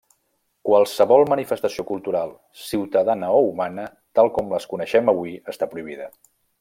Qualsevol manifestació cultural, ciutadana o humana, tal com les coneixem avui, està prohibida.